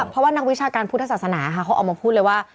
เพราะว่านักวิชาการพุทธศาสนาค่ะเขาออกมาพูดเลยว่า